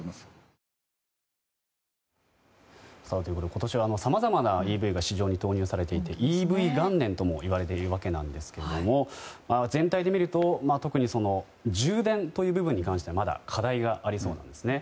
今年はさまざまなＥＶが市場に投入されていてＥＶ元年ともいわれているわけなんですけれども全体で見ると特に充電という部分に関してはまだ課題がありそうなんですね。